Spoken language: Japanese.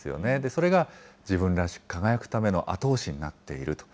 それが自分らしく輝くための後押しになっている。